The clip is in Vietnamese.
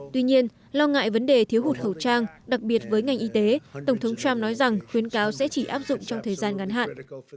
tuy nhiên lo ngại vấn đề thiếu hụt khẩu trang đặc biệt với ngành y tế tổng thống trump nói rằng khuyến cáo sẽ chỉ áp dụng trong thời gian ngắn hạn